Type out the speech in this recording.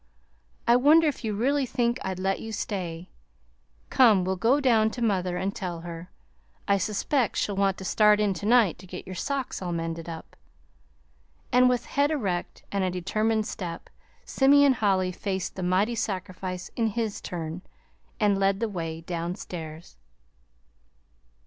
I wonder if you really think I'd let you stay! Come, we'll go down to mother and tell her. I suspect she'll want to start in to night to get your socks all mended up!" And with head erect and a determined step, Simeon Holly faced the mighty sacrifice in his turn, and led the way downstairs.